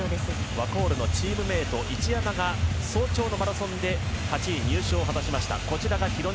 ワコールのチームメート一山が早朝のマラソンで８位入賞を果たしました。